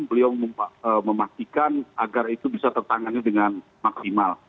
beliau memastikan agar itu bisa tertangani dengan maksimal